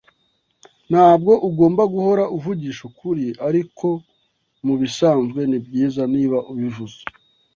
Ntabwo ugomba guhora uvugisha ukuri, ariko mubisanzwe nibyiza niba ubivuze.